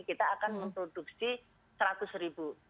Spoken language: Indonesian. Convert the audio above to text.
kita akan memproduksi rp seratus